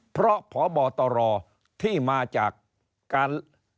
เพราะพบตรที่มาจากการ